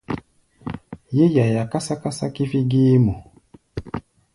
Yé yaia kásá-kásá kífí géémɔ.